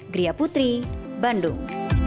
gria putri bandung